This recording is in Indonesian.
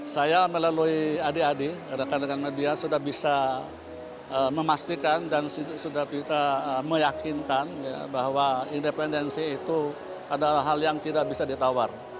saya melalui adik adik rekan rekan media sudah bisa memastikan dan sudah bisa meyakinkan bahwa independensi itu adalah hal yang tidak bisa ditawar